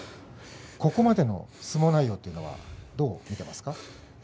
ここまでの相撲内容というのはどう見ていますか？